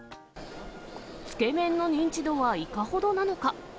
つけ麺の認知度はいかほどなのか。